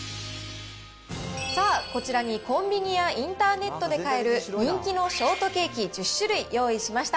さあ、こちらにコンビニやインターネットで買える人気のショートケーキ１０種類用意しました。